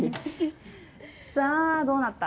さあどうなった。